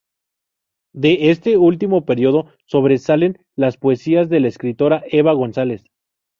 De este último periodo sobresalen las poesías de la escritora Eva González.